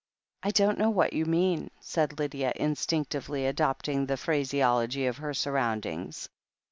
"I don't know what you mean," said Lydia, instinc tively adopting the phraseology of her surroundings.